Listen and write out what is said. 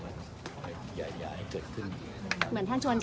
น่าแก่ผม